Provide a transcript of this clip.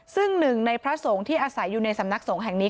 ซึ่งหนึ่งในพระสงฆ์ที่อาศัยอยู่ในสำนักสงฆ์แห่งนี้